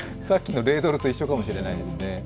さっきのレードルと一緒かもしれないですね。